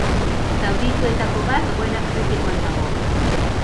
Zauritutako bat egoera kritikoan dago.